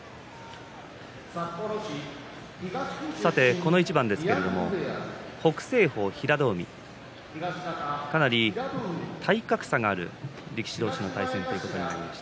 この一番、北青鵬、平戸海かなり体格差のある力士同士の対戦ということになります。